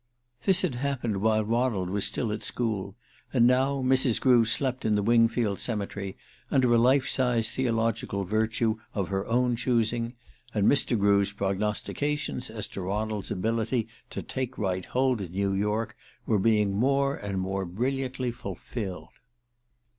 This had happened while Ronald was still at school; and now Mrs. Grew slept in the Wingfield cemetery, under a life size theological virtue of her own choosing, and Mr. Grew's prognostications as to Ronald's ability to "take right hold" in New York were being more and more brilliantly fulfilled.